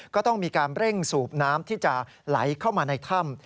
ก็ต้องมีการเร่งสูบน้ำที่จะไหลเข้ามาในถ้ำ